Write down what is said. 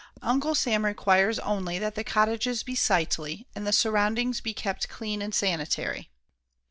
Uncle Sam requires only that the cottages be sightly and the surroundings be kept clean and sanitary.